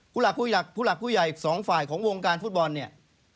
ผู้หลักผู้ใหญ่สองฝ่ายของวงการฟุตบอลเนี่ย